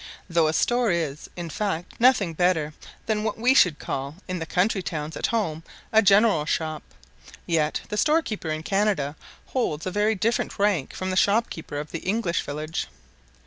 Though a store is, in fact, nothing better than what we should call in the country towns at home a "general shop," yet the storekeeper in Canada holds a very different rank from the shopkeeper of the English village.